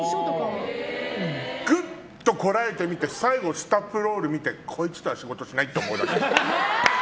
ぐっとこらえて見て最後スタッフロール見てこいつとは仕事しないって思うだけ。